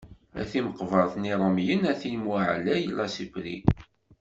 A timeqbert n yirumyen, a tin mu ɛlayit Lassipri.